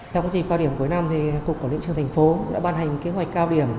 trong dịp cao điểm cuối năm cục quản lý trường thành phố đã ban hành kế hoạch cao điểm